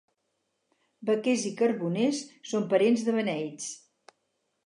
Vaquers i carboners són parents de beneits.